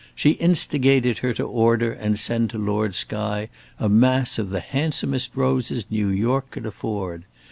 She instigated her to order and send to Lord Skye a mass of the handsomest roses New York could afford.